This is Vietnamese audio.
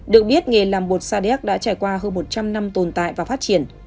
được biết nghề làm bột sa đéc đã trải qua hơn một trăm linh năm tồn tại và phát triển